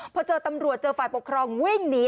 พอเจอตำรวจเจอฝ่ายปกครองวิ่งหนี